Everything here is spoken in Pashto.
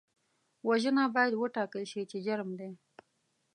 وژنه باید وټاکل شي چې جرم دی